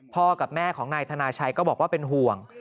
กับแม่ของนายธนาชัยก็บอกว่าเป็นห่วง